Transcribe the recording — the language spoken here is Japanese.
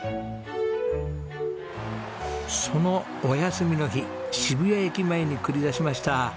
そのお休みの日渋谷駅前に繰り出しました。